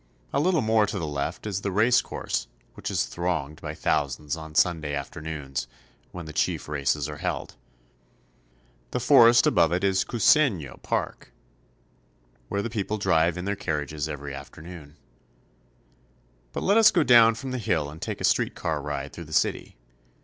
A little more to the left is the race course, which is thronged by thousands on Sunday after noons, when the chief races are held. The forest above it is Cousino (co u sen'yo) Park, where the people drive in their carriages every afternoon. But let us go down from the hill and take a street car ride through the city.